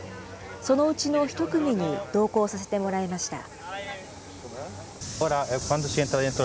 そのうちの１組に同行させてもらいました。